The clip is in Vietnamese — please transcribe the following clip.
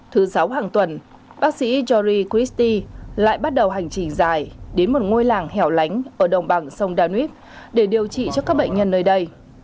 thứ sáu hàng tuần bác sĩ jorri kristi lại bắt đầu hành trình dài đến một ngôi làng hẻo lánh ở đồng bằng sông danwef để điều trị cho các bệnh nhân nơi đây